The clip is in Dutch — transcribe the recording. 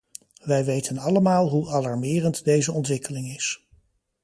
Wij weten allemaal hoe alarmerend deze ontwikkeling is.